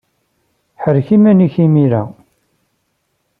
Ḥerrek iman-nnek imir-a.